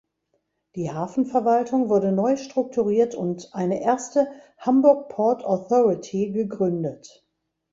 Die Hafenverwaltung wurde neu strukturiert und eine erste „Hamburg Port Authority“ gegründet.